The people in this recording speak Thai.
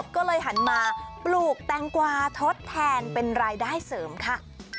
ก็เลยหันมาปลูกแตงกวาทดแทนเป็นรายได้เสริมค่ะ